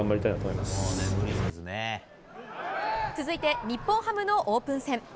続いて日本ハムのオープン戦。